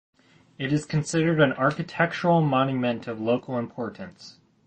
It is considered an architectural monument of local importance.